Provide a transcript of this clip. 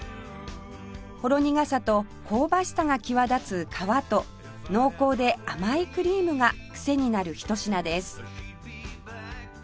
ほろ苦さと香ばしさが際立つ皮と濃厚で甘いクリームがクセになるひと品です